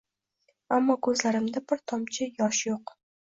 Ammo ko’zlarimda bir tomchi yesh yo’q.